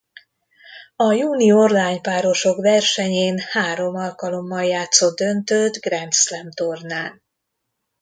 A junior lány párosok versenyén három alkalommal játszott döntőt Grand Slam-tornán.